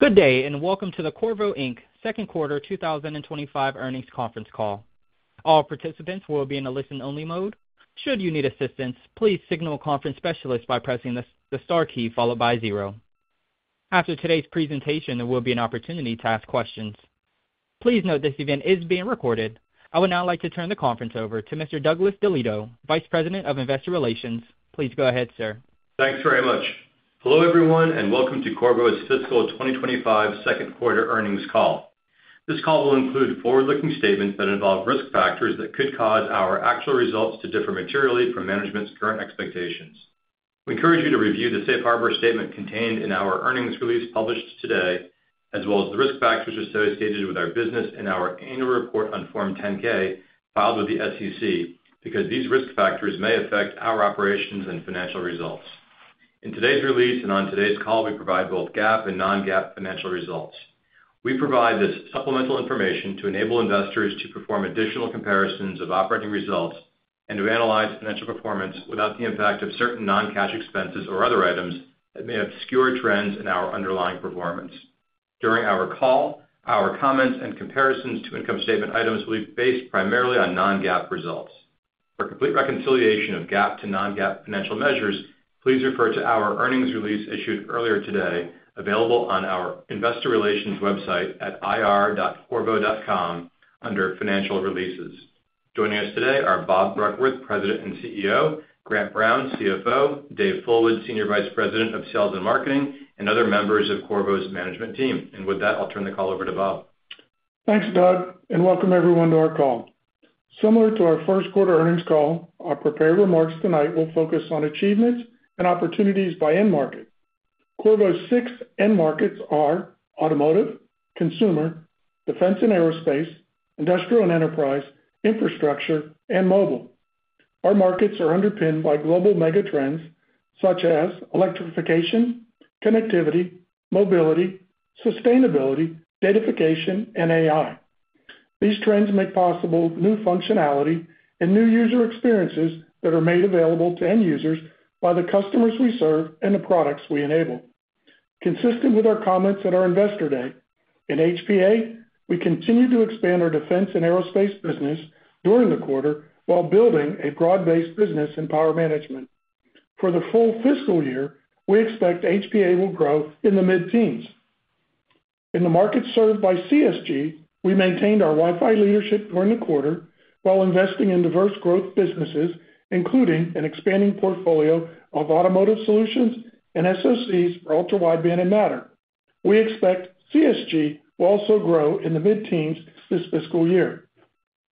Good day, and welcome to the Qorvo, Inc Second Quarter 2025 Earnings Conference Call. All participants will be in a listen-only mode. Should you need assistance, please signal a conference specialist by pressing the star key followed by zero. After today's presentation, there will be an opportunity to ask questions. Please note this event is being recorded. I would now like to turn the conference over to Mr. Douglas DeLieto, Vice President of Investor Relations. Please go ahead, Sir. Thanks very much. Hello everyone, and welcome to Qorvo's Fiscal 2025 Second Quarter earnings call. This call will include forward-looking statements that involve risk factors that could cause our actual results to differ materially from management's current expectations. We encourage you to review the safe harbor statement contained in our earnings release published today, as well as the risk factors associated with our business and our annual report on Form 10-K filed with the SEC, because these risk factors may affect our operations and financial results. In today's release and on today's call, we provide both GAAP and non-GAAP financial results. We provide this supplemental information to enable investors to perform additional comparisons of operating results and to analyze financial performance without the impact of certain non-cash expenses or other items that may obscure trends in our underlying performance. During our call, our comments and comparisons to income statement items will be based primarily on non-GAAP results. For complete reconciliation of GAAP to non-GAAP financial measures, please refer to our earnings release issued earlier today, available on our Investor Relations website at ir.qorvo.com under Financial Releases. Joining us today are Bob Bruggeworth, President and CEO, Grant Brown, CFO, Dave Fullwood, Senior Vice President of Sales and Marketing, and other members of Qorvo's management team. And with that, I'll turn the call over to Bob. Thanks, Doug, and welcome everyone to our call. Similar to our first quarter earnings call, our prepared remarks tonight will focus on achievements and opportunities by end market. Qorvo's six end markets are automotive, consumer, defense and aerospace, industrial and enterprise, infrastructure, and mobile. Our markets are underpinned by global mega trends such as electrification, connectivity, mobility, sustainability, datafication, and AI. These trends make possible new functionality and new user experiences that are made available to end users by the customers we serve and the products we enable. Consistent with our comments at our Investor Day, in HPA, we continue to expand our defense and aerospace business during the quarter while building a broad-based business in power management. For the full fiscal year, we expect HPA will grow in the mid-teens. In the markets served by CSG, we maintained our Wi-Fi leadership during the quarter while investing in diverse growth businesses, including an expanding portfolio of automotive solutions and SoCs for ultra-wideband and Matter. We expect CSG will also grow in the mid-teens this fiscal year.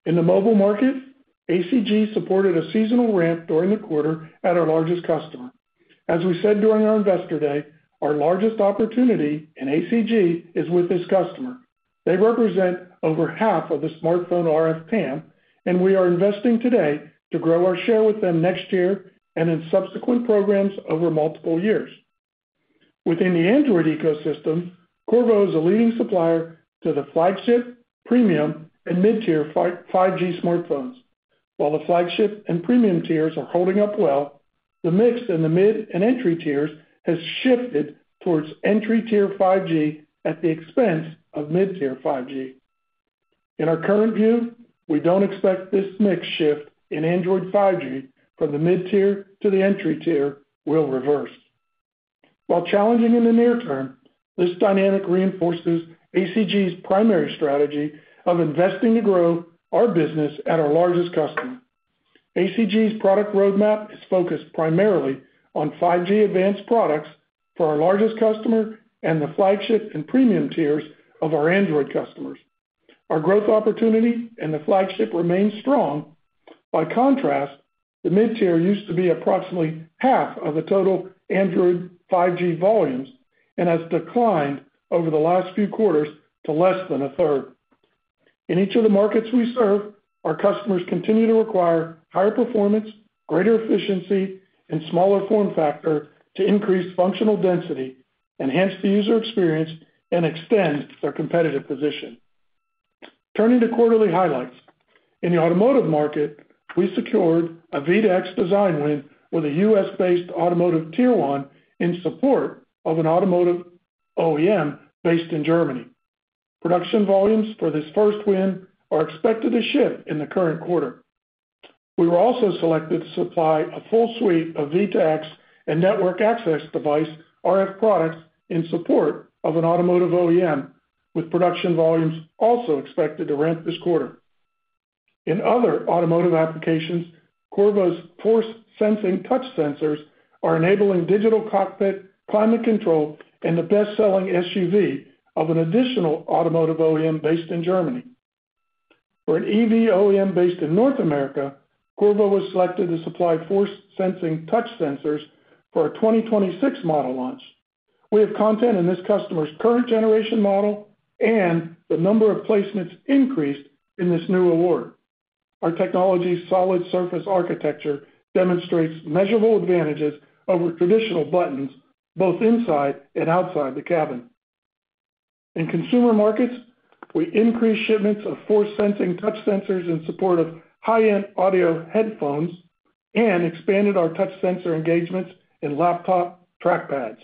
In the mobile market, ACG supported a seasonal ramp during the quarter at our largest customer. As we said during our Investor Day, our largest opportunity in ACG is with this customer. They represent over half of the smartphone RF PAM, and we are investing today to grow our share with them next year and in subsequent programs over multiple years. Within the Android ecosystem, Qorvo is a leading supplier to the flagship, premium, and mid-tier 5G smartphones. While the flagship and premium tiers are holding up well, the mix in the mid and entry tiers has shifted towards entry-tier 5G at the expense of mid-tier 5G. In our current view, we don't expect this mix shift in Android 5G from the mid-tier to the entry tier will reverse. While challenging in the near term, this dynamic reinforces ACG's primary strategy of investing to grow our business at our largest customer. ACG's product roadmap is focused primarily on 5G Advanced products for our largest customer and the flagship and premium tiers of our Android customers. Our growth opportunity and the flagship remain strong. By contrast, the mid-tier used to be approximately half of the total Android 5G volumes and has declined over the last few quarters to less than a third. In each of the markets we serve, our customers continue to require higher performance, greater efficiency, and smaller form factor to increase functional density, enhance the user experience, and extend their competitive position. Turning to quarterly highlights, in the automotive market, we secured a V2X design win with a U.S.-based automotive Tier 1 in support of an automotive OEM based in Germany. Production volumes for this first win are expected to ship in the current quarter. We were also selected to supply a full suite of V2X and network access device RF products in support of an automotive OEM, with production volumes also expected to ramp this quarter. In other automotive applications, Qorvo's Force-Sensing touch sensors are enabling digital cockpit, climate control, and the best-selling SUV of an additional automotive OEM based in Germany. For an EV OEM based in North America, Qorvo was selected to supply Force-Sensing touch sensors for a 2026 model launch. We have content in this customer's current-generation model, and the number of placements increased in this new award. Our technology's solid surface architecture demonstrates measurable advantages over traditional buttons, both inside and outside the cabin. In consumer markets, we increased shipments of Force-Sensing touch sensors in support of high-end audio headphones and expanded our touch sensor engagements in laptop trackpads.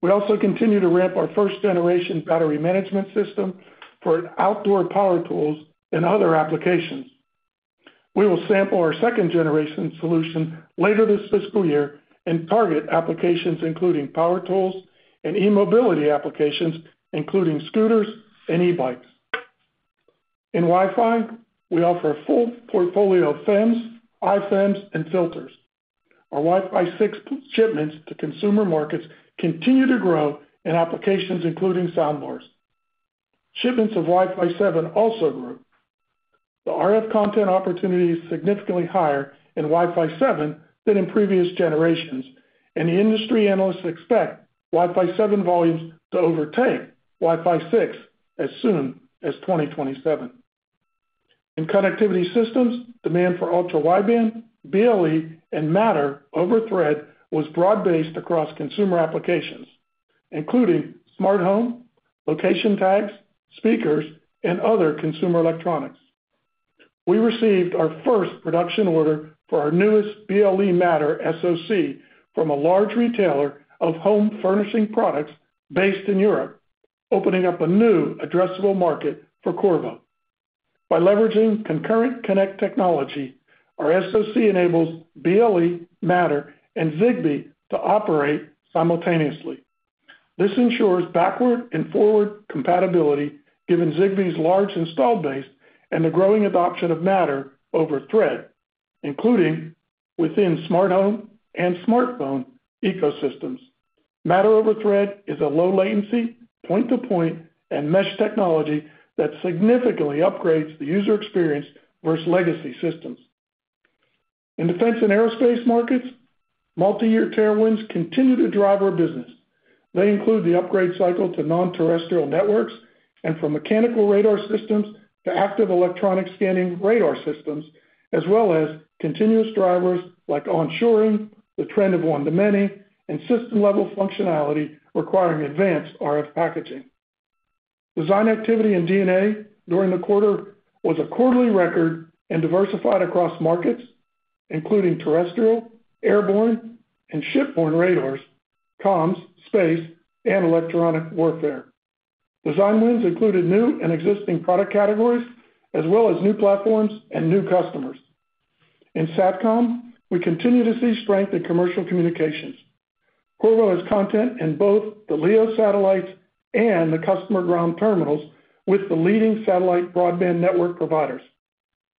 We also continue to ramp our first-generation battery management system for outdoor power tools and other applications. We will sample our second-generation solution later this fiscal year and target applications including power tools and e-mobility applications, including scooters and e-bikes. In Wi-Fi, we offer a full portfolio of FEMs, iFEMs, and filters. Our Wi-Fi 6 shipments to consumer markets continue to grow in applications including sound bars. Shipments of Wi-Fi 7 also grew. The RF content opportunity is significantly higher in Wi-Fi 7 than in previous generations, and the industry analysts expect Wi-Fi 7 volumes to overtake Wi-Fi 6 as soon as 2027. In connectivity systems, demand for ultra-wideband, BLE, and Matter over Thread was broad-based across consumer applications, including smart home, location tags, speakers, and other consumer electronics. We received our first production order for our newest BLE Matter SoC from a large retailer of home furnishing products based in Europe, opening up a new addressable market for Qorvo. By leveraging ConcurrentConnect technology, our SoC enables BLE, Matter, and Zigbee to operate simultaneously. This ensures backward and forward compatibility, given Zigbee's large install base and the growing adoption of Matter over Thread, including within smart home and smartphone ecosystems. Matter over Thread is a low-latency, point-to-point, and mesh technology that significantly upgrades the user experience versus legacy systems. In defense and aerospace markets, multi-year tailwinds continue to drive our business. They include the upgrade cycle to non-terrestrial networks and from mechanical radar systems to active electronic scanning radar systems, as well as continuous drivers like onshoring, the trend of one to many, and system-level functionality requiring advanced RF packaging. Design activity and D&A during the quarter was a quarterly record and diversified across markets, including terrestrial, airborne, and shipborne radars, comms, space, and electronic warfare. Design wins included new and existing product categories, as well as new platforms and new customers. In satcom, we continue to see strength in commercial communications. Qorvo has content in both the LEO satellites and the customer ground terminals with the leading satellite broadband network providers.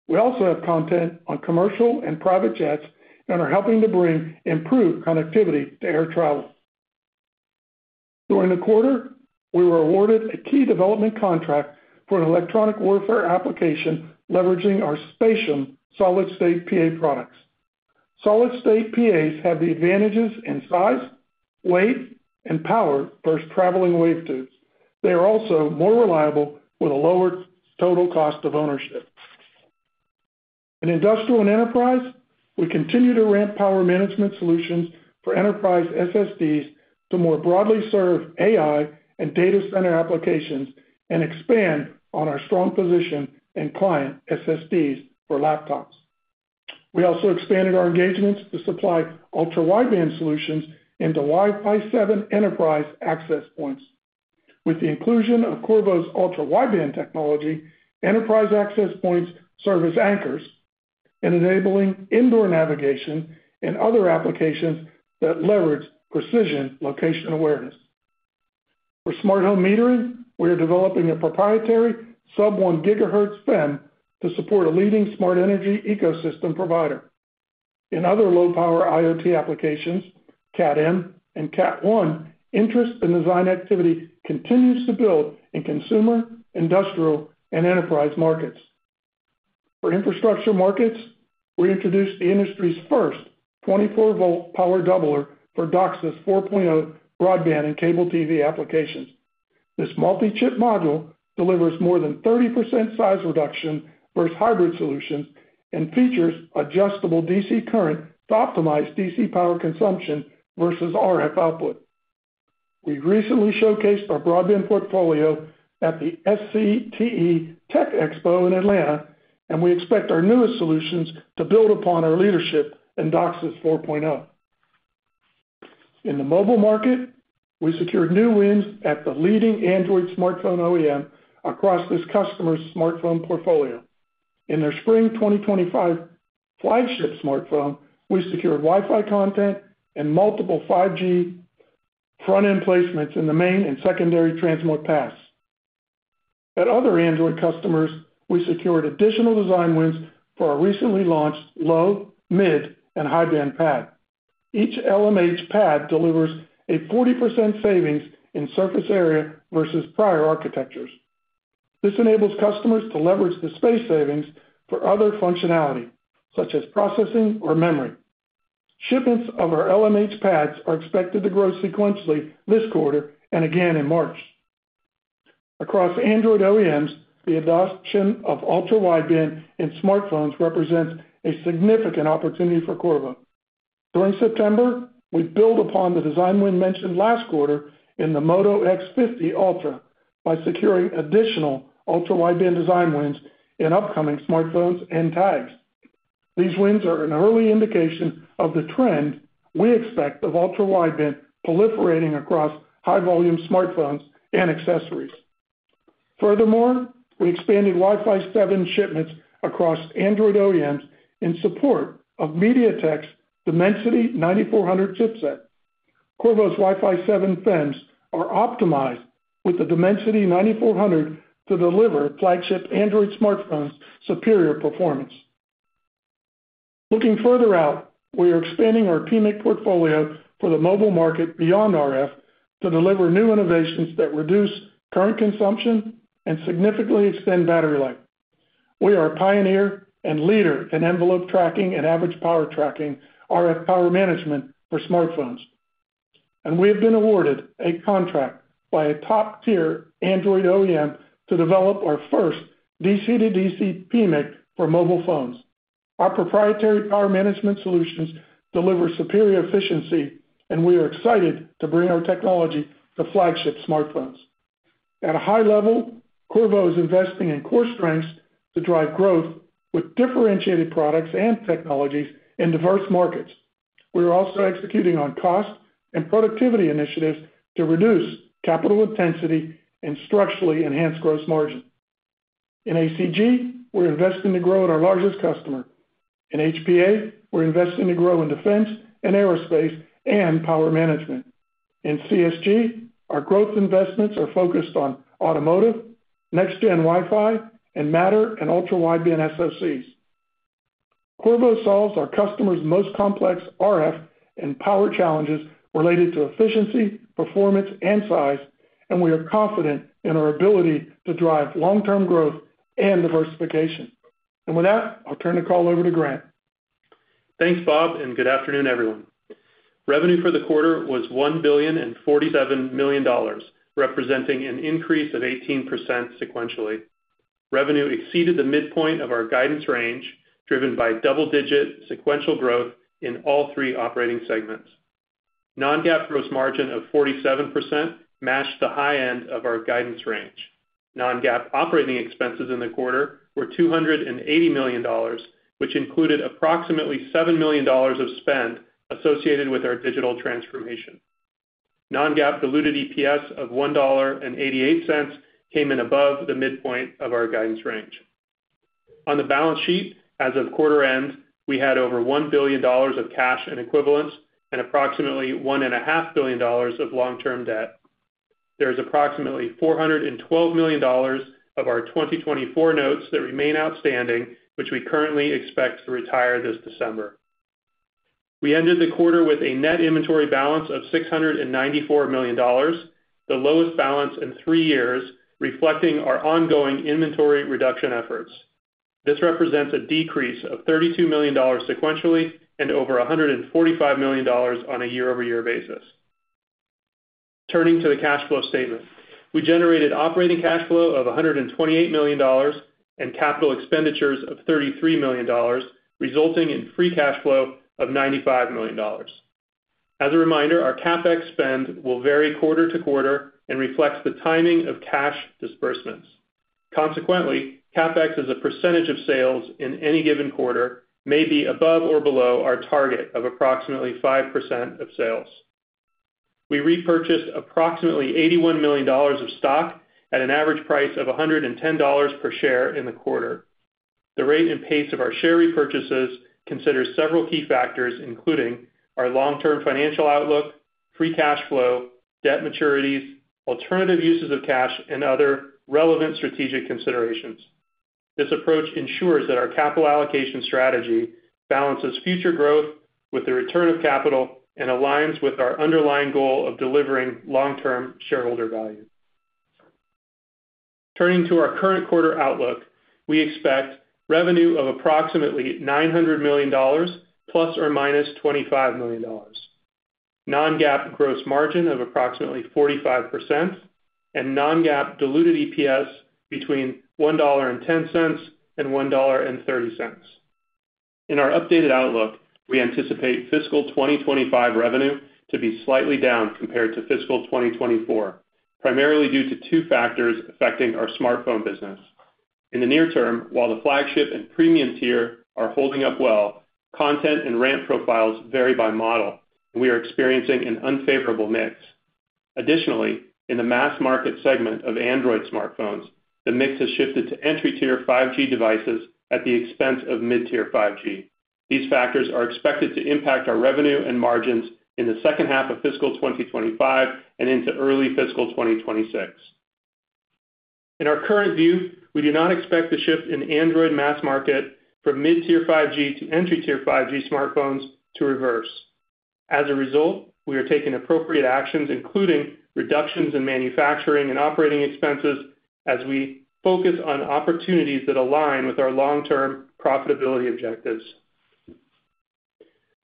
We also have content on commercial and private jets and are helping to bring improved connectivity to air travel. During the quarter, we were awarded a key development contract for an electronic warfare application leveraging our Spatium solid-state PA products. Solid-state PAs have the advantages in size, weight, and power versus traveling wave tubes. They are also more reliable with a lower total cost of ownership. In industrial and enterprise, we continue to ramp power management solutions for enterprise SSDs to more broadly serve AI and data center applications and expand on our strong position in client SSDs for laptops. We also expanded our engagements to supply ultra-wideband solutions into Wi-Fi 7 enterprise access points. With the inclusion of Qorvo's ultra-wideband technology, enterprise access points serve as anchors in enabling indoor navigation and other applications that leverage precision location awareness. For smart home metering, we are developing a proprietary sub-1 GHz FEM to support a leading smart energy ecosystem provider. In other low-power IoT applications, Cat-M and Cat-1, interest in design activity continues to build in consumer, industrial, and enterprise markets. For infrastructure markets, we introduced the industry's first 24-volt power doubler for DOCSIS 4.0 broadband and cable TV applications. This multi-chip module delivers more than 30% size reduction versus hybrid solutions and features adjustable DC current to optimize DC power consumption versus RF output. We recently showcased our broadband portfolio at the SCTE TechExpo in Atlanta, and we expect our newest solutions to build upon our leadership in DOCSIS 4.0. In the mobile market, we secured new wins at the leading Android smartphone OEM across this customer's smartphone portfolio. In their spring 2025 flagship smartphone, we secured Wi-Fi content and multiple 5G front-end placements in the main and secondary transmit paths. At other Android customers, we secured additional design wins for our recently launched low-, mid-, and high-band PAD. Each LMH PAD delivers a 40% savings in surface area versus prior architectures. This enables customers to leverage the space savings for other functionality, such as processing or memory. Shipments of our LMH PADs are expected to grow sequentially this quarter and again in March. Across Android OEMs, the adoption of ultra-wideband in smartphones represents a significant opportunity for Qorvo. During September, we build upon the design win mentioned last quarter in the Moto X50 Ultra by securing additional ultra-wideband design wins in upcoming smartphones and tags. These wins are an early indication of the trend we expect of ultra-wideband proliferating across high-volume smartphones and accessories. Furthermore, we expanded Wi-Fi 7 shipments across Android OEMs in support of MediaTek's Dimensity 9400 chipset. Qorvo's Wi-Fi 7 FEMs are optimized with the Dimensity 9400 to deliver flagship Android smartphones' superior performance. Looking further out, we are expanding our PMIC portfolio for the mobile market beyond RF to deliver new innovations that reduce current consumption and significantly extend battery life. We are a pioneer and leader in envelope tracking and average power tracking RF power management for smartphones, and we have been awarded a contract by a top-tier Android OEM to develop our first DC-to-DC PMIC for mobile phones. Our proprietary power management solutions deliver superior efficiency, and we are excited to bring our technology to flagship smartphones. At a high level, Qorvo is investing in core strengths to drive growth with differentiated products and technologies in diverse markets. We are also executing on cost and productivity initiatives to reduce capital intensity and structurally enhance gross margin. In ACG, we're investing to grow in our largest customer. In HPA, we're investing to grow in defense and aerospace and power management. In CSG, our growth investments are focused on automotive, next-gen Wi-Fi, and Matter and ultra-wideband SoCs. Qorvo solves our customers' most complex RF and power challenges related to efficiency, performance, and size, and we are confident in our ability to drive long-term growth and diversification. And with that, I'll turn the call over to Grant. Thanks, Bob, and good afternoon, everyone. Revenue for the quarter was $1 billion and $47 million, representing an increase of 18% sequentially. Revenue exceeded the midpoint of our guidance range, driven by double-digit sequential growth in all three operating segments. Non-GAAP gross margin of 47% matched the high end of our guidance range. Non-GAAP operating expenses in the quarter were $280 million, which included approximately $7 million of spend associated with our digital transformation. Non-GAAP diluted EPS of $1.88 came in above the midpoint of our guidance range. On the balance sheet, as of quarter end, we had over $1 billion of cash and equivalents and approximately $1.5 billion of long-term debt. There is approximately $412 million of our 2024 notes that remain outstanding, which we currently expect to retire this December. We ended the quarter with a net inventory balance of $694 million, the lowest balance in three years, reflecting our ongoing inventory reduction efforts. This represents a decrease of $32 million sequentially and over $145 million on a year-over-year basis. Turning to the cash flow statement, we generated operating cash flow of $128 million and capital expenditures of $33 million, resulting in free cash flow of $95 million. As a reminder, our CapEx spend will vary quarter to quarter and reflects the timing of cash disbursements. Consequently, CapEx as a percentage of sales in any given quarter may be above or below our target of approximately 5% of sales. We repurchased approximately $81 million of stock at an average price of $110 per share in the quarter. The rate and pace of our share repurchases considers several key factors, including our long-term financial outlook, free cash flow, debt maturities, alternative uses of cash, and other relevant strategic considerations. This approach ensures that our capital allocation strategy balances future growth with the return of capital and aligns with our underlying goal of delivering long-term shareholder value. Turning to our current quarter outlook, we expect revenue of approximately $900 million plus or minus $25 million, non-GAAP gross margin of approximately 45%, and non-GAAP diluted EPS between $1.10 and $1.30. In our updated outlook, we anticipate fiscal 2025 revenue to be slightly down compared to fiscal 2024, primarily due to two factors affecting our smartphone business. In the near term, while the flagship and premium tier are holding up well, content and ramp profiles vary by model, and we are experiencing an unfavorable mix. Additionally, in the mass market segment of Android smartphones, the mix has shifted to entry-tier 5G devices at the expense of mid-tier 5G. These factors are expected to impact our revenue and margins in the second half of fiscal 2025 and into early fiscal 2026. In our current view, we do not expect the shift in Android mass market from mid-tier 5G to entry-tier 5G smartphones to reverse. As a result, we are taking appropriate actions, including reductions in manufacturing and operating expenses, as we focus on opportunities that align with our long-term profitability objectives.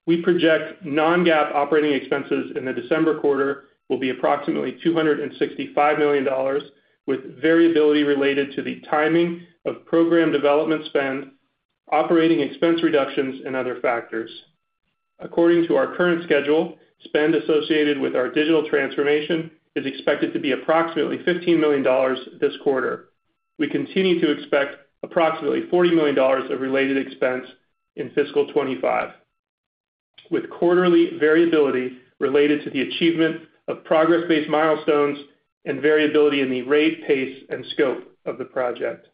We project non-GAAP operating expenses in the December quarter will be approximately $265 million, with variability related to the timing of program development spend, operating expense reductions, and other factors. According to our current schedule, spend associated with our digital transformation is expected to be approximately $15 million this quarter. We continue to expect approximately $40 million of related expense in fiscal 2025, with quarterly variability related to the achievement of progress-based milestones and variability in the rate, pace, and scope of the project.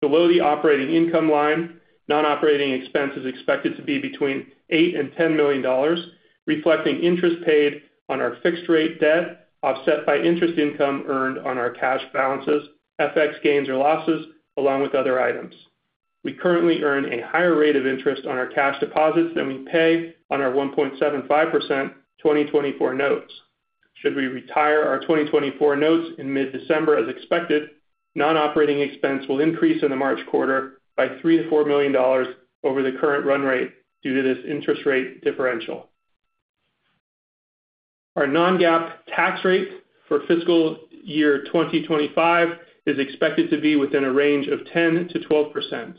Below the operating income line, non-operating expense is expected to be between $8 million and $10 million, reflecting interest paid on our fixed-rate debt offset by interest income earned on our cash balances, FX gains, or losses, along with other items. We currently earn a higher rate of interest on our cash deposits than we pay on our 1.75% 2024 notes. Should we retire our 2024 notes in mid-December, as expected, non-operating expense will increase in the March quarter by $3 million-$4 million over the current run rate due to this interest rate differential. Our non-GAAP tax rate for fiscal year 2025 is expected to be within a range of 10%-12%.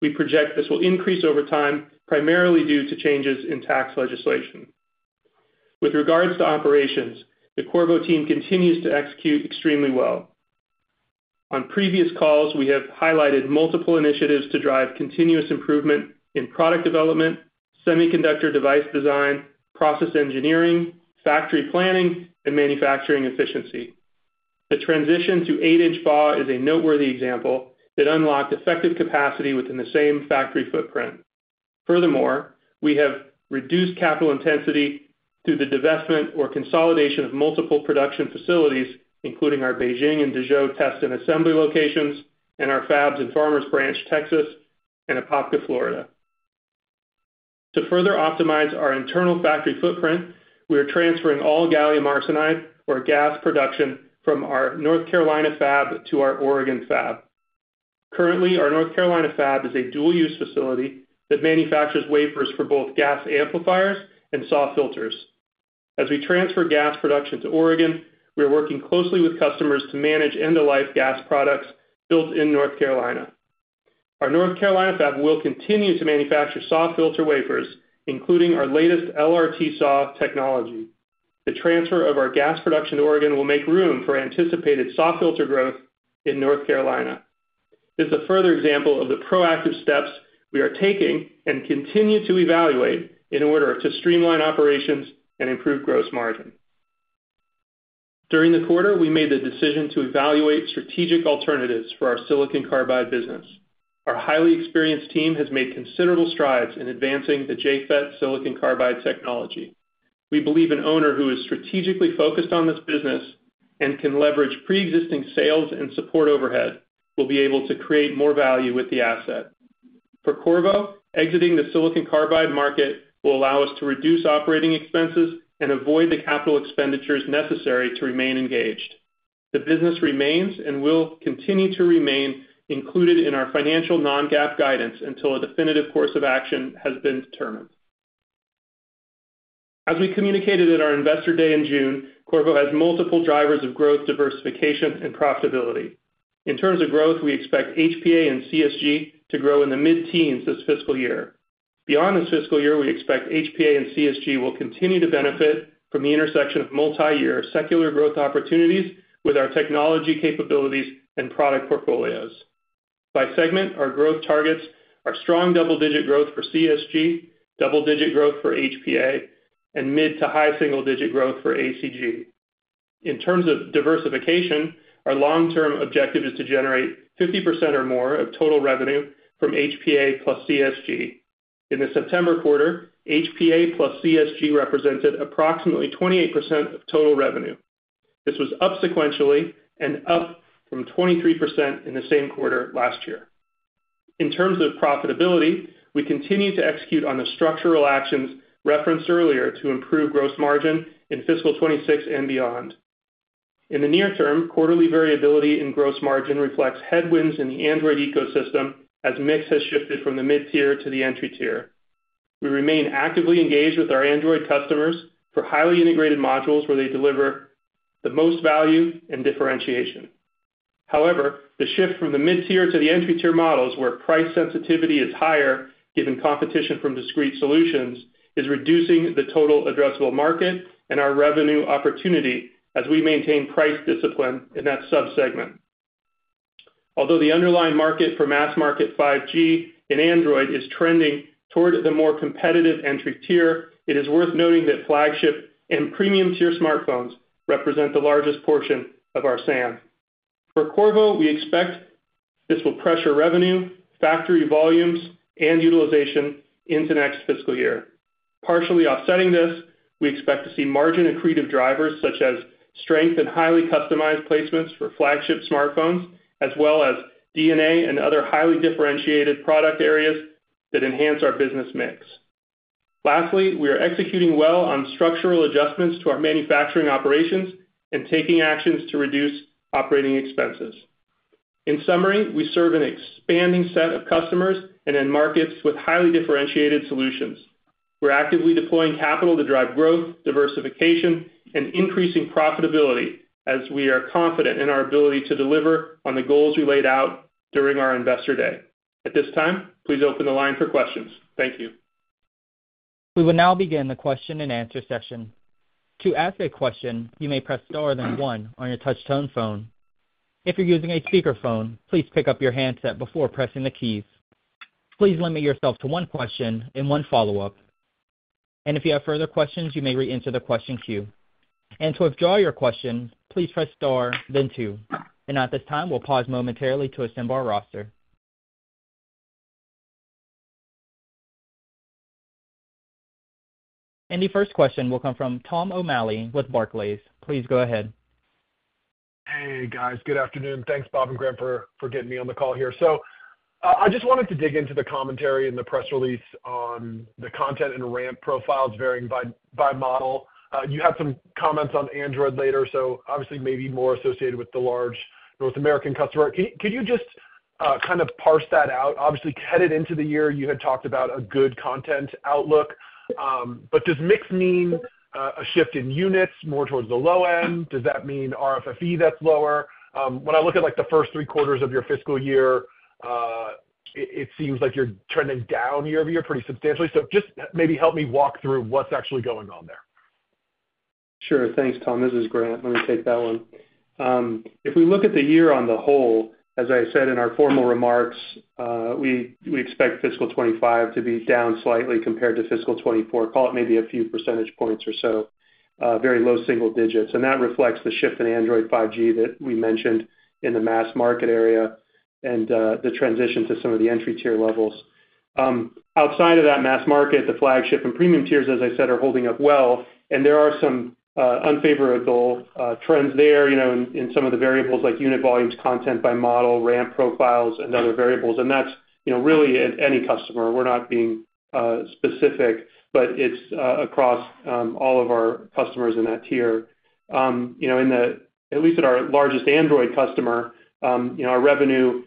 We project this will increase over time, primarily due to changes in tax legislation. With regards to operations, the Qorvo team continues to execute extremely well. On previous calls, we have highlighted multiple initiatives to drive continuous improvement in product development, semiconductor device design, process engineering, factory planning, and manufacturing efficiency. The transition to 8-inch BAW is a noteworthy example that unlocked effective capacity within the same factory footprint. Furthermore, we have reduced capital intensity through the divestment or consolidation of multiple production facilities, including our Beijing and Dezhou test and assembly locations, and our fabs in Farmers Branch, Texas, and Apopka, Florida. To further optimize our internal factory footprint, we are transferring all gallium arsenide or GaAs production from our North Carolina Fab to our Oregon Fab. Currently, our North Carolina Fab is a dual-use facility that manufactures wafers for both GaAs amplifiers and SAW filters. As we transfer GaAs production to Oregon, we are working closely with customers to manage end-of-life GaAs products built in North Carolina. Our North Carolina Fab will continue to manufacture SAW filter wafers, including our latest LRT-SAW technology. The transfer of our GaAs production to Oregon will make room for anticipated SAW filter growth in North Carolina. This is a further example of the proactive steps we are taking and continue to evaluate in order to streamline operations and improve gross margin. During the quarter, we made the decision to evaluate strategic alternatives for our silicon carbide business. Our highly experienced team has made considerable strides in advancing the JFET silicon carbide technology. We believe an owner who is strategically focused on this business and can leverage pre-existing sales and support overhead will be able to create more value with the asset. For Qorvo, exiting the silicon carbide market will allow us to reduce operating expenses and avoid the capital expenditures necessary to remain engaged. The business remains and will continue to remain included in our financial non-GAAP guidance until a definitive course of action has been determined. As we communicated at our Investor Day in June, Qorvo has multiple drivers of growth, diversification, and profitability. In terms of growth, we expect HPA and CSG to grow in the mid-teens this fiscal year. Beyond this fiscal year, we expect HPA and CSG will continue to benefit from the intersection of multi-year secular growth opportunities with our technology capabilities and product portfolios. By segment, our growth targets are strong double-digit growth for CSG, double-digit growth for HPA, and mid to high single-digit growth for ACG. In terms of diversification, our long-term objective is to generate 50% or more of total revenue from HPA plus CSG. In the September quarter, HPA plus CSG represented approximately 28% of total revenue. This was up sequentially and up from 23% in the same quarter last year. In terms of profitability, we continue to execute on the structural actions referenced earlier to improve gross margin in fiscal 2026 and beyond. In the near term, quarterly variability in gross margin reflects headwinds in the Android ecosystem as mix has shifted from the mid-tier to the entry tier. We remain actively engaged with our Android customers for highly integrated modules where they deliver the most value and differentiation. However, the shift from the mid-tier to the entry-tier models, where price sensitivity is higher given competition from discrete solutions, is reducing the total addressable market and our revenue opportunity as we maintain price discipline in that subsegment. Although the underlying market for mass market 5G in Android is trending toward the more competitive entry tier, it is worth noting that flagship and premium tier smartphones represent the largest portion of our SAM. For Qorvo, we expect this will pressure revenue, factory volumes, and utilization into next fiscal year. Partially offsetting this, we expect to see margin accretive drivers such as strength and highly customized placements for flagship smartphones, as well as D&A and other highly differentiated product areas that enhance our business mix. Lastly, we are executing well on structural adjustments to our manufacturing operations and taking actions to reduce operating expenses. In summary, we serve an expanding set of customers and in markets with highly differentiated solutions. We're actively deploying capital to drive growth, diversification, and increasing profitability as we are confident in our ability to deliver on the goals we laid out during our Investor Day. At this time, please open the line for questions. Thank you. We will now begin the question and answer session. To ask a question, you may press star then one on your touch-tone phone. If you're using a speakerphone, please pick up your handset before pressing the keys. Please limit yourself to one question and one follow-up. And if you have further questions, you may re-enter the question queue. And to withdraw your question, please press star, then two. And at this time, we'll pause momentarily to assemble our roster. And the first question will come from Tom O'Malley with Barclays. Please go ahead. Hey, guys. Good afternoon. Thanks, Bob and Grant, for getting me on the call here. So I just wanted to dig into the commentary in the press release on the content and ramp profiles varying by model. You had some comments on Android later, so obviously maybe more associated with the large North American customer. Could you just kind of parse that out? Obviously, headed into the year, you had talked about a good content outlook. But does mix mean a shift in units, more towards the low end? Does that mean RFFE that's lower? When I look at the first three quarters of your fiscal year, it seems like you're trending down year over year pretty substantially. So just maybe help me walk through what's actually going on there. Sure. Thanks, Tom. This is Grant. Let me take that one. If we look at the year on the whole, as I said in our formal remarks, we expect fiscal 2025 to be down slightly compared to fiscal 2024, call it maybe a few percentage points or so, very low single digits. And that reflects the shift in Android 5G that we mentioned in the mass market area and the transition to some of the entry-tier levels. Outside of that mass market, the flagship and premium tiers, as I said, are holding up well. And there are some unfavorable trends there in some of the variables like unit volumes, content by model, ramp profiles, and other variables. And that's really at any customer. We're not being specific, but it's across all of our customers in that tier. At least at our largest Android customer, our revenue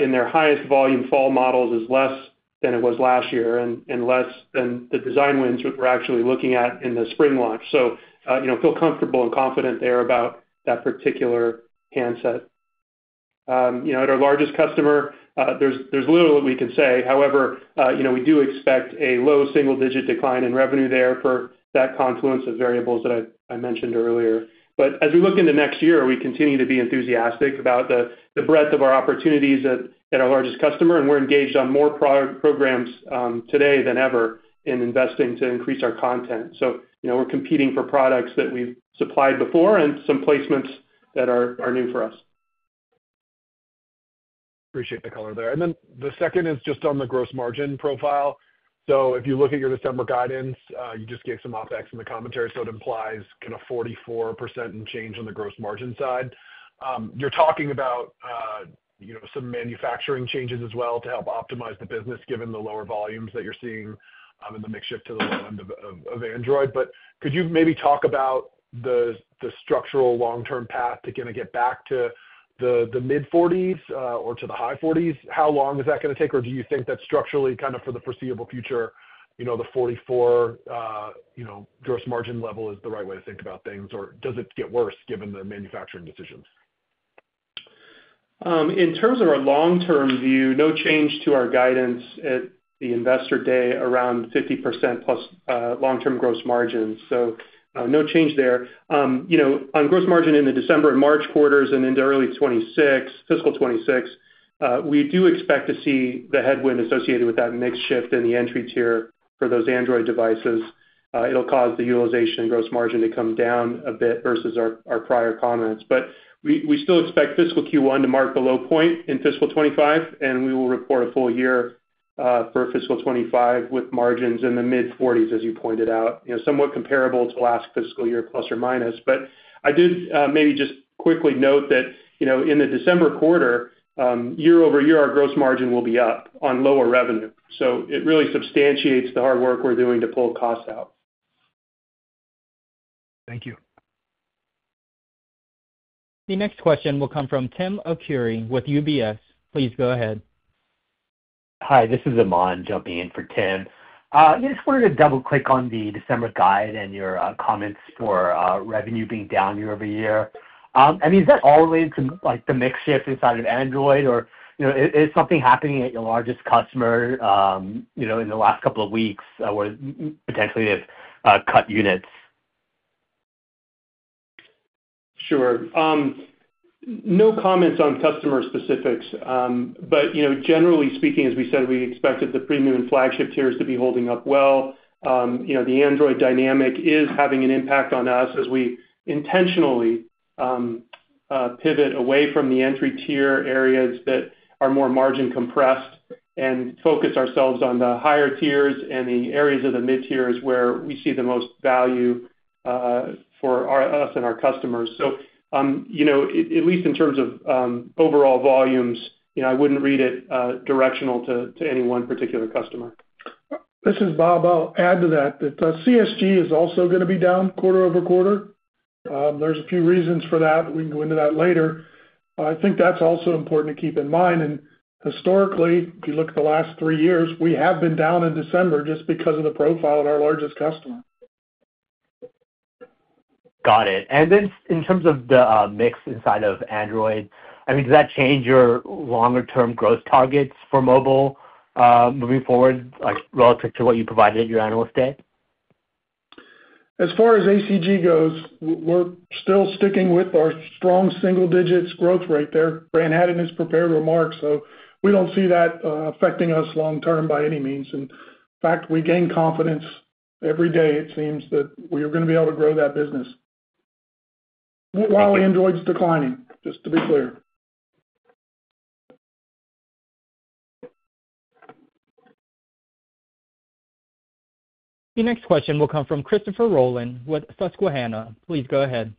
in their highest volume fall models is less than it was last year and less than the design wins we're actually looking at in the spring launch. So feel comfortable and confident there about that particular handset. At our largest customer, there's little that we can say. However, we do expect a low single-digit decline in revenue there for that confluence of variables that I mentioned earlier. But as we look into next year, we continue to be enthusiastic about the breadth of our opportunities at our largest customer. And we're engaged on more programs today than ever in investing to increase our content. So we're competing for products that we've supplied before and some placements that are new for us. Appreciate the color there. And then the second is just on the gross margin profile. So if you look at your December guidance, you just gave some updates in the commentary, so it implies kind of 44% and change on the gross margin side. You're talking about some manufacturing changes as well to help optimize the business given the lower volumes that you're seeing in the mix shift to the low end of Android. But could you maybe talk about the structural long-term path to kind of get back to the mid-40s% or to the high 40s%? How long is that going to take? Or do you think that structurally, kind of for the foreseeable future, the 44% gross margin level is the right way to think about things? Or does it get worse given the manufacturing decisions? In terms of our long-term view, no change to our guidance at the Investor Day around 50%+ long-term gross margins. So no change there. On gross margin in the December and March quarters and into early fiscal 2026, we do expect to see the headwind associated with that mix shift in the entry tier for those Android devices. It'll cause the utilization and gross margin to come down a bit versus our prior comments. But we still expect fiscal Q1 to mark the low point in fiscal 2025, and we will report a full year for fiscal 2025 with margins in the mid-40s, as you pointed out, somewhat comparable to last fiscal year plus or minus. But I did maybe just quickly note that in the December quarter, year over year, our gross margin will be up on lower revenue. So it really substantiates the hard work we're doing to pull costs out. Thank you. The next question will come from Tim Arcuri with UBS. Please go ahead. Hi. This is Eamon jumping in for Tim. I just wanted to double-click on the December guide and your comments for revenue being down year over year. I mean, is that all related to the mix shift inside of Android? Or is something happening at your largest customer in the last couple of weeks where potentially they've cut units? Sure. No comments on customer specifics. But generally speaking, as we said, we expected the premium and flagship tiers to be holding up well. The Android dynamic is having an impact on us as we intentionally pivot away from the entry-tier areas that are more margin compressed and focus ourselves on the higher tiers and the areas of the mid-tiers where we see the most value for us and our customers. So at least in terms of overall volumes, I wouldn't read it directional to any one particular customer. This is Bob. I'll add to that. The CSG is also going to be down quarter over quarter. There's a few reasons for that. We can go into that later. I think that's also important to keep in mind. Historically, if you look at the last three years, we have been down in December just because of the profile at our largest customer. Got it. Then in terms of the mix inside of Android, I mean, does that change your longer-term growth targets for mobile moving forward relative to what you provided at your analyst day? As far as ACG goes, we're still sticking with our strong single-digits growth rate there. Grant had a in his prepared remark, so we don't see that affecting us long-term by any means. In fact, we gain confidence every day, it seems, that we are going to be able to grow that business while Android's declining, just to be clear. The next question will come from Christopher Rolland with Susquehanna. Please go ahead.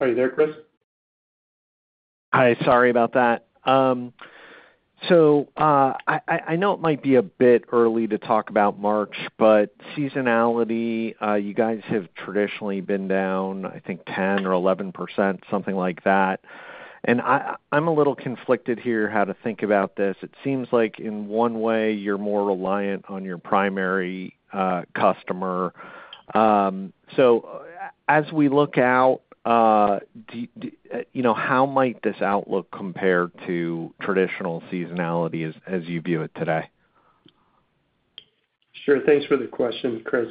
Are you there, Chris? Hi. Sorry about that. So I know it might be a bit early to talk about March, but seasonality, you guys have traditionally been down, I think, 10% or 11%, something like that. And I'm a little conflicted here how to think about this. It seems like in one way, you're more reliant on your primary customer. So as we look out, how might this outlook compare to traditional seasonality as you view it today? Sure. Thanks for the question, Chris.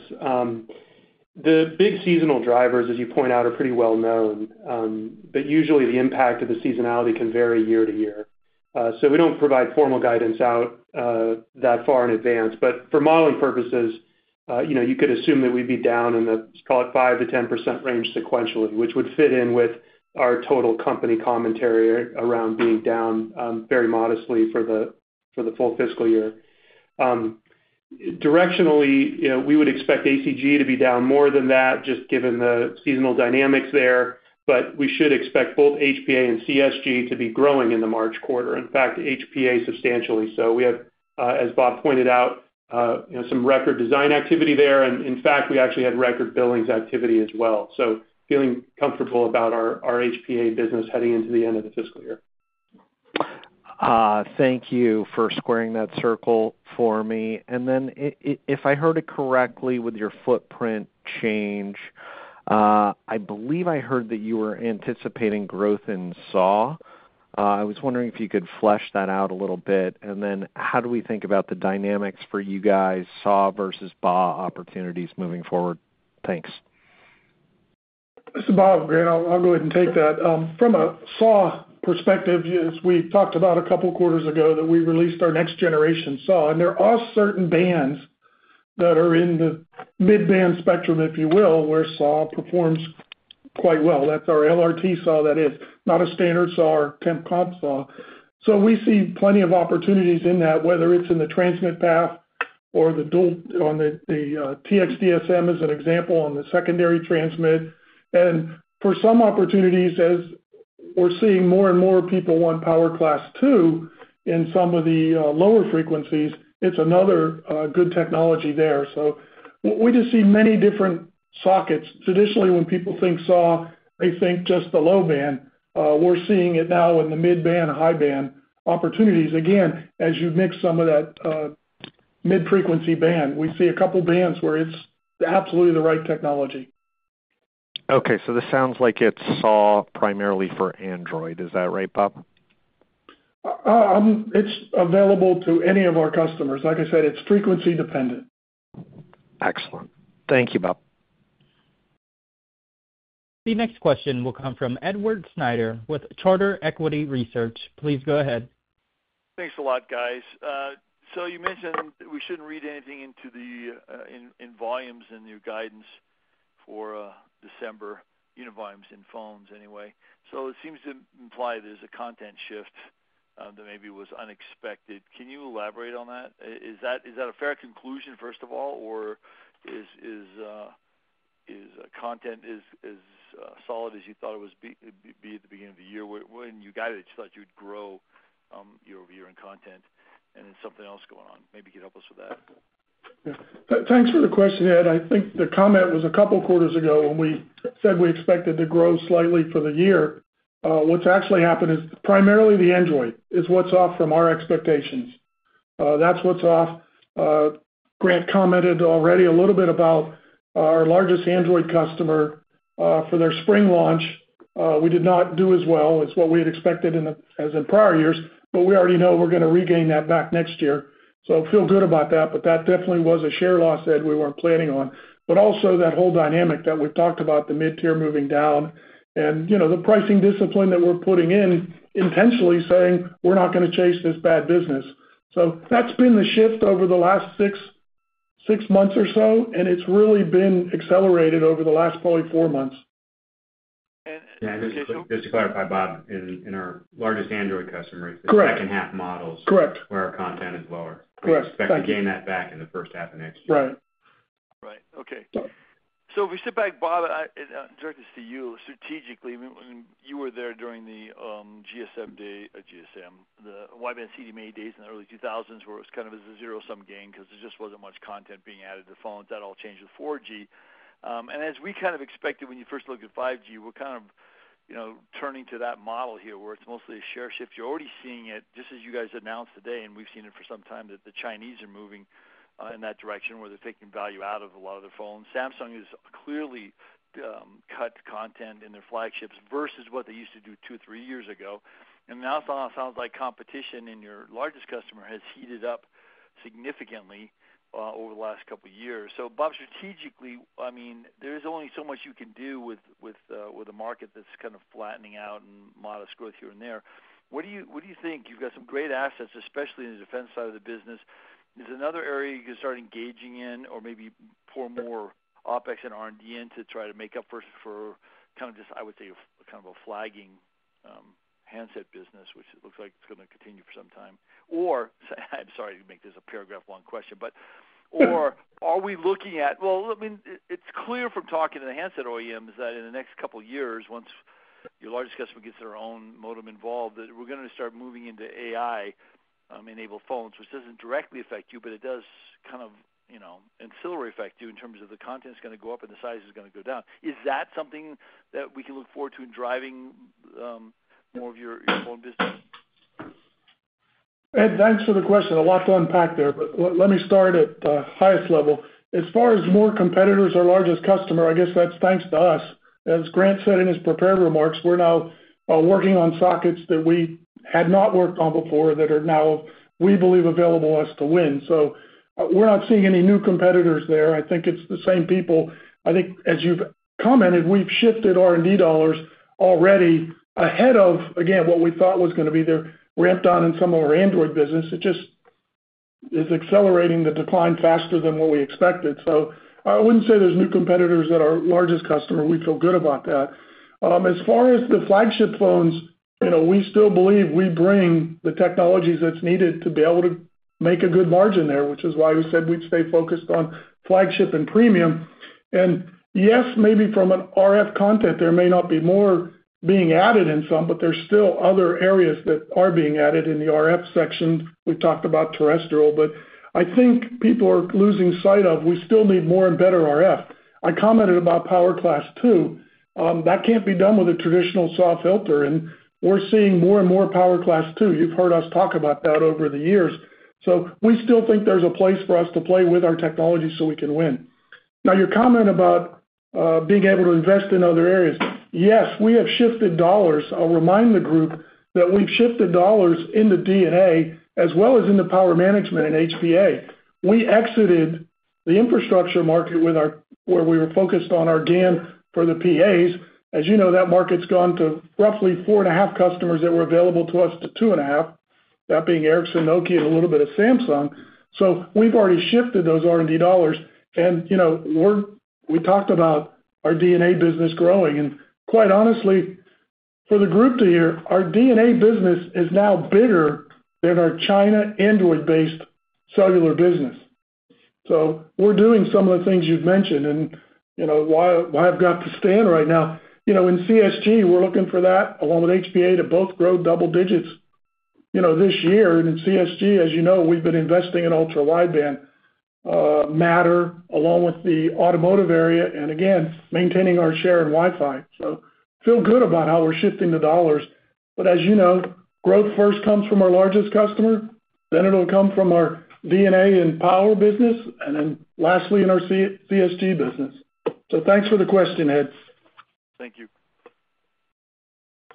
The big seasonal drivers, as you point out, are pretty well-known. But usually, the impact of the seasonality can vary year to year. So we don't provide formal guidance out that far in advance. But for modeling purposes, you could assume that we'd be down in the, call it, 5%-10% range sequentially, which would fit in with our total company commentary around being down very modestly for the full fiscal year. Directionally, we would expect ACG to be down more than that just given the seasonal dynamics there. But we should expect both HPA and CSG to be growing in the March quarter, in fact, HPA substantially. So we have, as Bob pointed out, some record design activity there. And in fact, we actually had record billings activity as well. So feeling comfortable about our HPA business heading into the end of the fiscal year. Thank you for squaring that circle for me. And then if I heard it correctly with your footprint change, I believe I heard that you were anticipating growth in SAW. I was wondering if you could flesh that out a little bit. And then how do we think about the dynamics for you guys, SAW versus BAW opportunities moving forward? Thanks. This is Bob. Grant, I'll go ahead and take that. From a SAW perspective, as we talked about a couple of quarters ago, that we released our next-generation SAW. And there are certain bands that are in the mid-band spectrum, if you will, where SAW performs quite well. That's our LRT SAW that is, not a standard SAW or temp comp SAW. So we see plenty of opportunities in that, whether it's in the transmit path or the Tx-DSM as an example on the secondary transmit. And for some opportunities, as we're seeing more and more people want Power Class 2 in some of the lower frequencies, it's another good technology there. So we just see many different sockets. Traditionally, when people think SAW, they think just the low band. We're seeing it now in the mid-band, high-band opportunities. Again, as you mix some of that mid-frequency band, we see a couple of bands where it's absolutely the right technology. Okay. So this sounds like it's SAW primarily for Android. Is that right, Bob? It's available to any of our customers. Like I said, it's frequency-dependent. Excellent. Thank you, Bob. The next question will come from Edward Snyder with Charter Equity Research. Please go ahead. Thanks a lot, guys. So you mentioned we shouldn't read anything in volumes in your guidance for December, unit volumes in phones anyway. So it seems to imply there's a content shift that maybe was unexpected. Can you elaborate on that? Is that a fair conclusion, first of all? Or is content as solid as you thought it would be at the beginning of the year when you guided it? You thought you would grow year over year in content? And then something else going on. Maybe you could help us with that. Thanks for the question, Ed. I think the comment was a couple of quarters ago when we said we expected to grow slightly for the year. What's actually happened is primarily the Android is what's off from our expectations. That's what's off. Grant commented already a little bit about our largest Android customer for their spring launch. We did not do as well as what we had expected as in prior years. But we already know we're going to regain that back next year. So feel good about that. But that definitely was a share loss that we weren't planning on. But also that whole dynamic that we've talked about, the mid-tier moving down and the pricing discipline that we're putting in intentionally saying, "We're not going to chase this bad business." So that's been the shift over the last six months or so. And it's really been accelerated over the last probably four months. And just to clarify, Bob, in our largest Android customers, the second-half models where our content is lower. We expect to gain that back in the first half of next year. Right. Right. Okay. So if we sit back, Bob, in deference to you, strategically, you were there during the GSM and the CDMA days in the early 2000s where it was kind of a zero-sum game because there just wasn't much content being added to phones. That all changed with 4G. As we kind of expected when you first looked at 5G, we're kind of turning to that model here where it's mostly a share shift. You're already seeing it just as you guys announced today. We've seen it for some time that the Chinese are moving in that direction where they're taking value out of a lot of their phones. Samsung has clearly cut content in their flagships versus what they used to do two or three years ago. Now it sounds like competition in your largest customer has heated up significantly over the last couple of years. Bob, strategically, I mean, there is only so much you can do with a market that's kind of flattening out and modest growth here and there. What do you think? You've got some great assets, especially in the defense side of the business. Is there another area you can start engaging in or maybe pour more OpEx and R&D into to try to make up for kind of just, I would say, kind of a flagging handset business, which it looks like it's going to continue for some time, or I'm sorry to make this a paragraph-long question, but are we looking at, well, I mean, it's clear from talking to the handset OEMs that in the next couple of years, once your largest customer gets their own modem involved, that we're going to start moving into AI-enabled phones, which doesn't directly affect you, but it does kind of ancillary affect you in terms of the content's going to go up and the size is going to go down. Is that something that we can look forward to in driving more of your phone business, And thanks for the question? A lot to unpack there. But let me start at the highest level. As far as more competitors, our largest customer, I guess that's thanks to us. As Grant said in his prepared remarks, we're now working on sockets that we had not worked on before that are now, we believe, available to us to win. So we're not seeing any new competitors there. I think it's the same people. I think, as you've commented, we've shifted R&D dollars already ahead of, again, what we thought was going to be ramped on in some of our Android business. It just is accelerating the decline faster than what we expected. So I wouldn't say there's new competitors that our largest customer. We feel good about that. As far as the flagship phones, we still believe we bring the technologies that's needed to be able to make a good margin there, which is why we said we'd stay focused on flagship and premium, and yes, maybe from an RF content, there may not be more being added in some, but there's still other areas that are being added in the RF section. We've talked about terrestrial, but I think people are losing sight of we still need more and better RF. I commented about Power Class 2. That can't be done with a traditional SAW filter, and we're seeing more and more Power Class 2. You've heard us talk about that over the years, so we still think there's a place for us to play with our technology so we can win. Now, your comment about being able to invest in other areas. Yes, we have shifted dollars. I'll remind the group that we've shifted dollars in the D&A as well as in the power management in HPA. We exited the infrastructure market where we were focused on our GaN for the PAs. As you know, that market's gone to roughly four and a half customers that were available to us to two and a half, that being Ericsson, Nokia, and a little bit of Samsung. So we've already shifted those R&D dollars. And we talked about our D&A business growing. And quite honestly, for the group to hear, our D&A business is now bigger than our China Android-based cellular business. So we're doing some of the things you've mentioned. And why I've got to stand right now, in CSG, we're looking for that along with HPA to both grow double digits this year. And in CSG, as you know, we've been investing in ultra-wideband Matter along with the automotive area and, again, maintaining our share in Wi-Fi. So feel good about how we're shifting the dollars. But as you know, growth first comes from our largest customer. Then it'll come from our D&A and power business. And then lastly, in our CSG business. So thanks for the question, Ed. Thank you.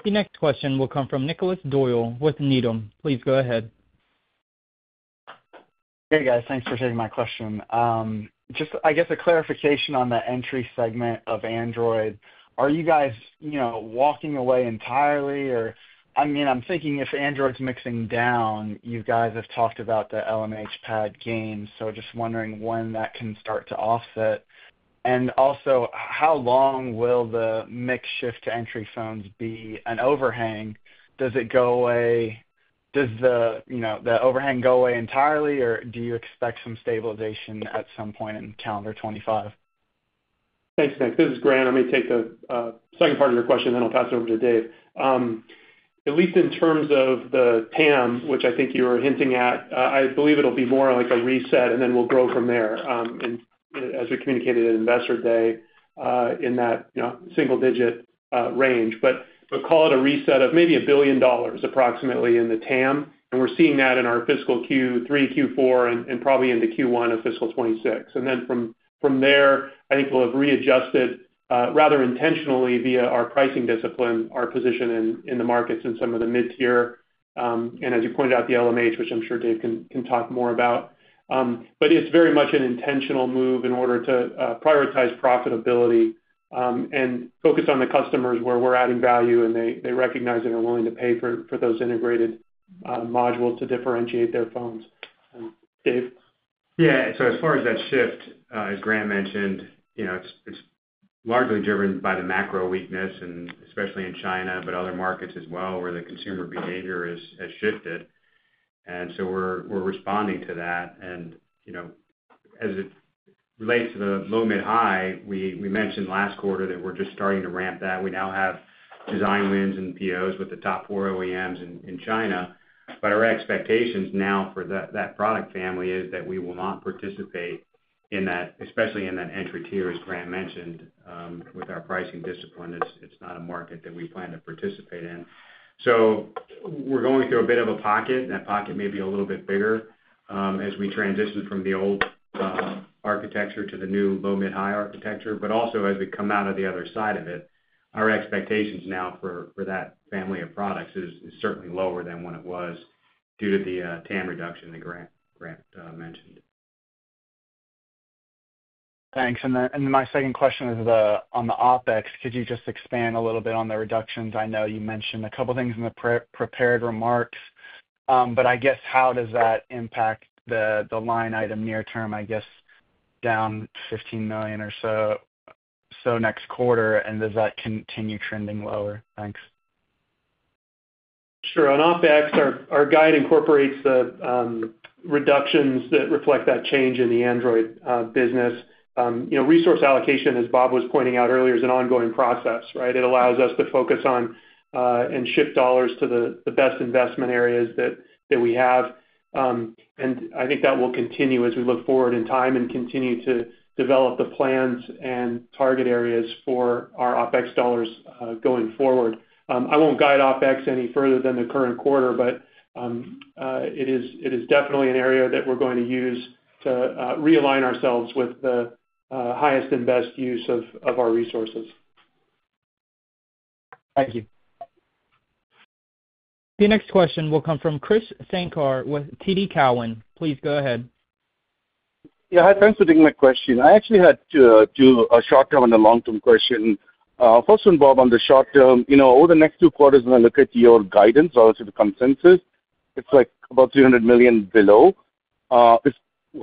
The next question will come from Nicholas Doyle with Needham. Please go ahead. Hey, guys. Thanks for taking my question. Just, I guess, a clarification on the entry segment of Android. Are you guys walking away entirely? Or I mean, I'm thinking if Android's mixing down, you guys have talked about the LMH PAD game. So just wondering when that can start to offset. And also, how long will the mix shift to entry phones be an overhang? Does it go away? Does the overhang go away entirely? Or do you expect some stabilization at some point in calendar 2025? Thanks, thanks. This is Grant. Let me take the second part of your question, then I'll pass it over to Dave. At least in terms of the TAM, which I think you were hinting at, I believe it'll be more like a reset, and then we'll grow from there as we communicated at Investor Day in that single-digit range. But call it a reset of maybe $1 billion approximately in the TAM. And we're seeing that in our fiscal Q3, Q4, and probably in the Q1 of fiscal 2026. And then from there, I think we'll have readjusted rather intentionally via our pricing discipline, our position in the markets in some of the mid-tier. And as you pointed out, the LMH, which I'm sure Dave can talk more about. But it's very much an intentional move in order to prioritize profitability and focus on the customers where we're adding value, and they recognize they are willing to pay for those integrated modules to differentiate their phones. Dave? Yeah, so as far as that shift, as Grant mentioned, it's largely driven by the macro weakness, and especially in China, but other markets as well where the consumer behavior has shifted, and so we're responding to that, and as it relates to the low, mid, high, we mentioned last quarter that we're just starting to ramp that. We now have design wins and POs with the top four OEMs in China, but our expectations now for that product family is that we will not participate in that, especially in that entry tier, as Grant mentioned, with our pricing discipline. It's not a market that we plan to participate in. So we're going through a bit of a pocket. That pocket may be a little bit bigger as we transition from the old architecture to the new low, mid, high architecture. But also, as we come out of the other side of it, our expectations now for that family of products is certainly lower than what it was due to the TAM reduction that Grant mentioned. Thanks. And my second question is on the OpEx. Could you just expand a little bit on the reductions? I know you mentioned a couple of things in the prepared remarks. But I guess, how does that impact the line item near term, I guess, down $15 million or so next quarter? And does that continue trending lower? Thanks. Sure. On OpEx, our guide incorporates the reductions that reflect that change in the Android business. Resource allocation, as Bob was pointing out earlier, is an ongoing process, right? It allows us to focus on and shift dollars to the best investment areas that we have. And I think that will continue as we look forward in time and continue to develop the plans and target areas for our OpEx dollars going forward. I won't guide OpEx any further than the current quarter, but it is definitely an area that we're going to use to realign ourselves with the highest and best use of our resources. Thank you. The next question will come from Krish Sankar with TD Cowen. Please go ahead. Yeah. Hi, thanks for taking my question. I actually had to do a short-term and a long-term question. First one, Bob, on the short-term, over the next two quarters, when I look at your guidance relative to consensus, it's like about $300 million below.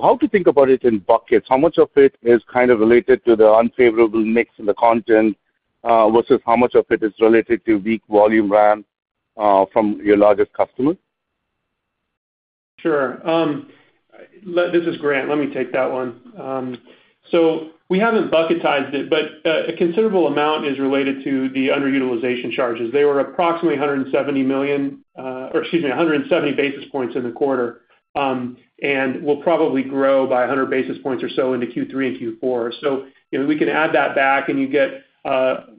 How to think about it in buckets? How much of it is kind of related to the unfavorable mix in the content versus how much of it is related to weak volume ramp from your largest customer? Sure. This is Grant. Let me take that one. So we haven't bucketized it, but a considerable amount is related to the underutilization charges. They were approximately 170 million or, excuse me, 170 basis points in the quarter and will probably grow by 100 basis points or so into Q3 and Q4. So we can add that back, and you get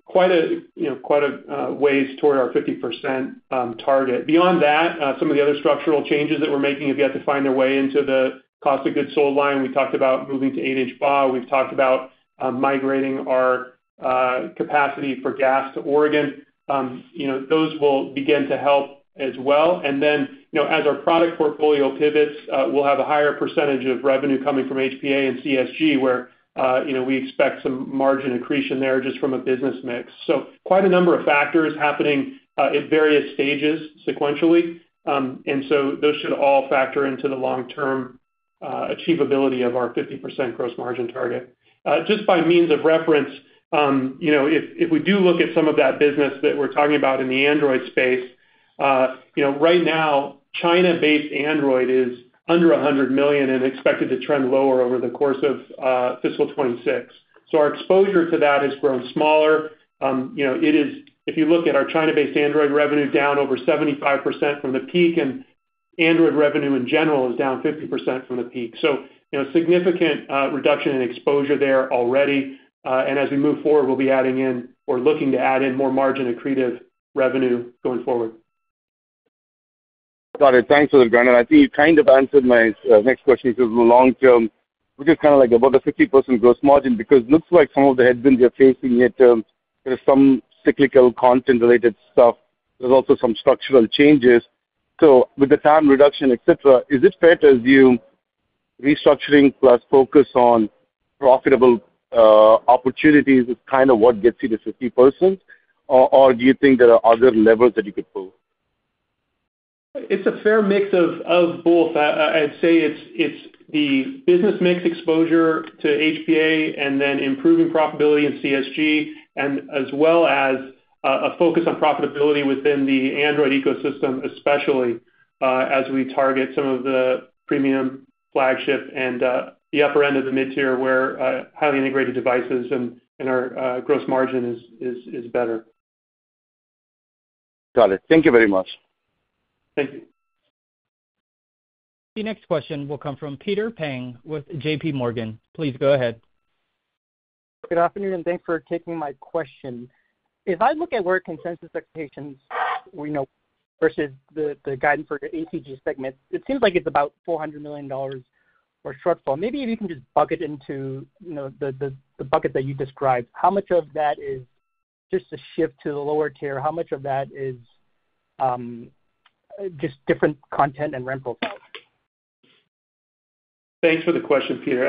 quite a ways toward our 50% target. Beyond that, some of the other structural changes that we're making have yet to find their way into the cost of goods sold line. We talked about moving to 8-inch BAW. We've talked about migrating our capacity for GaAs to Oregon. Those will begin to help as well. And then, as our product portfolio pivots, we'll have a higher percentage of revenue coming from HPA and CSG, where we expect some margin accretion there just from a business mix. So quite a number of factors happening at various stages sequentially. And so those should all factor into the long-term achievability of our 50% gross margin target. Just by means of reference, if we do look at some of that business that we're talking about in the Android space, right now, China-based Android is under 100 million and expected to trend lower over the course of fiscal 2026. So our exposure to that has grown smaller. If you look at our China-based Android revenue, down over 75% from the peak, and Android revenue in general is down 50% from the peak. So significant reduction in exposure there already. As we move forward, we'll be adding in or looking to add in more margin accretive revenue going forward. Got it. Thanks for the breakdown. I think you kind of answered my next question because in the long term, we're just kind of like about a 50% gross margin because it looks like some of the headwinds you're facing here, there's some cyclical content-related stuff. There's also some structural changes. So with the TAM reduction, etc., is it fair to assume restructuring plus focus on profitable opportunities is kind of what gets you to 50%? Or do you think there are other levers that you could pull? It's a fair mix of both. I'd say it's the business mix exposure to HPA and then improving profitability in CSG, as well as a focus on profitability within the Android ecosystem, especially as we target some of the premium flagship and the upper end of the mid-tier where highly integrated devices and our gross margin is better. Got it. Thank you very much. Thank you. The next question will come from Peter Peng with JPMorgan. Please go ahead. Good afternoon, and thanks for taking my question. If I look at where consensus expectations versus the guidance for the ACG segment, it seems like it's about $400 million or shortfall. Maybe if you can just bucket into the bucket that you described, how much of that is just a shift to the lower tier? How much of that is just different content and rental sales? Thanks for the question, Peter.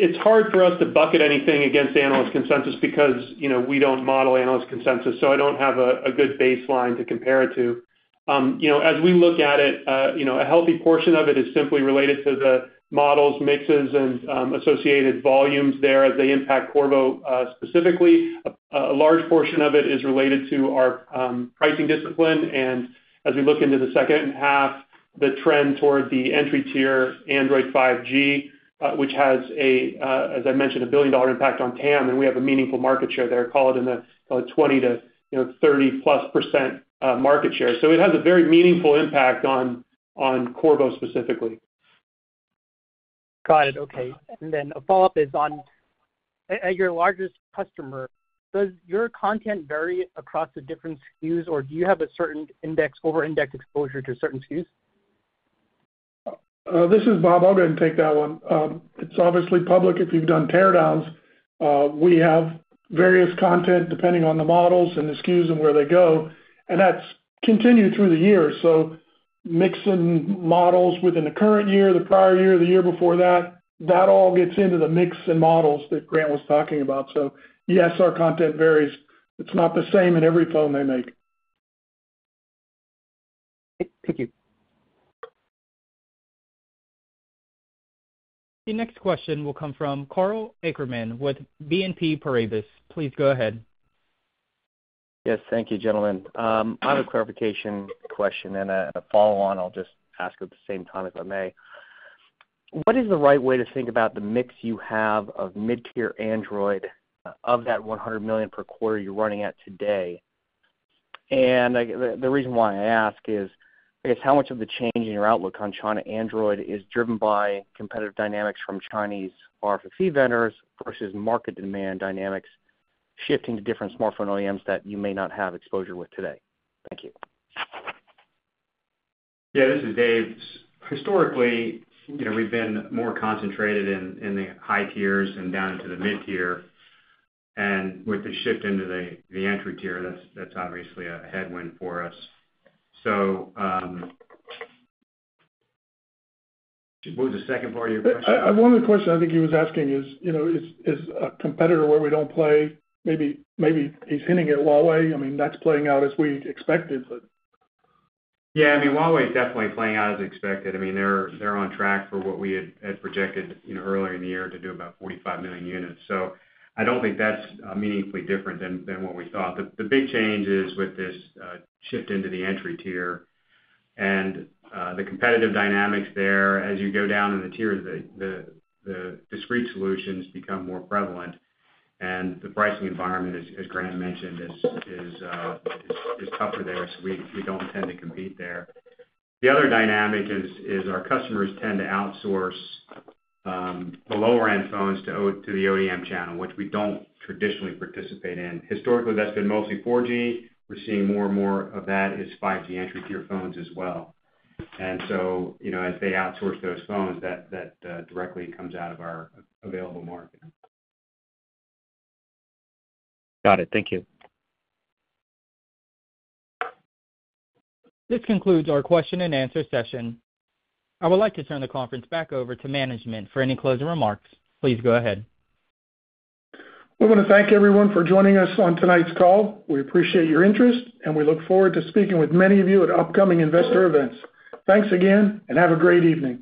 It's hard for us to bucket anything against analyst consensus because we don't model analyst consensus. So I don't have a good baseline to compare it to. As we look at it, a healthy portion of it is simply related to the models, mixes, and associated volumes there as they impact Qorvo specifically. A large portion of it is related to our pricing discipline. And as we look into the second half, the trend toward the entry-tier Android 5G, which has, as I mentioned, a $1 billion impact on TAM, and we have a meaningful market share there, call it in the 20%-30%+ market share. So it has a very meaningful impact on Qorvo specifically. Got it. Okay. And then a follow-up is on your largest customer. Does your content vary across the different SKUs, or do you have a certain over-index exposure to certain SKUs? This is Bob. I'll go ahead and take that one. It's obviously public. If you've done teardowns, we have various content depending on the models and the SKUs and where they go, and that's continued through the years, so mixing models within the current year, the prior year, the year before that, that all gets into the mix and models that Grant was talking about, so yes, our content varies. It's not the same in every phone they make. Thank you. The next question will come from Karl Ackerman with BNP Paribas. Please go ahead. Yes. Thank you, gentlemen. I have a clarification question and a follow-on. I'll just ask at the same time if I may. What is the right way to think about the mix you have of mid-tier Android of that 100 million per quarter you're running at today? And the reason why I ask is, I guess, how much of the change in your outlook on China Android is driven by competitive dynamics from Chinese RFFE vendors versus market demand dynamics shifting to different smartphone OEMs that you may not have exposure with today? Thank you. Yeah. This is Dave. Historically, we've been more concentrated in the high tiers and down into the mid-tier. And with the shift into the entry tier, that's obviously a headwind for us. So what was the second part of your question? One of the questions I think he was asking is, is a competitor where we don't play? Maybe he's hinting at Huawei. I mean, that's playing out as we expected, but. Yeah. I mean, Huawei is definitely playing out as expected. I mean, they're on track for what we had projected earlier in the year to do about 45 million units. So I don't think that's meaningfully different than what we thought. The big change is with this shift into the entry tier and the competitive dynamics there. As you go down in the tiers, the discrete solutions become more prevalent. And the pricing environment, as Grant mentioned, is tougher there. So we don't tend to compete there. The other dynamic is our customers tend to outsource the lower-end phones to the ODM channel, which we don't traditionally participate in. Historically, that's been mostly 4G. We're seeing more and more of that is 5G entry-tier phones as well. And so as they outsource those phones, that directly comes out of our available market. Got it. Thank you. This concludes our question-and-answer session. I would like to turn the conference back over to management for any closing remarks. Please go ahead. We want to thank everyone for joining us on tonight's call. We appreciate your interest, and we look forward to speaking with many of you at upcoming investor events. Thanks again, and have a great evening.